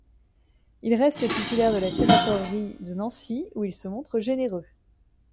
Il reste titulaire de la sénatorerie de Nancy où il se montre généreux.